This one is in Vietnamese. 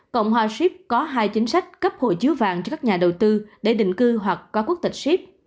cộng hòa ship có hai chính sách cấp hộ chiếu vàng cho các nhà đầu tư để định cư hoặc có quốc tịch ship